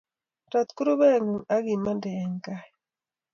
Rat kurubekuk akimang'de eng' kai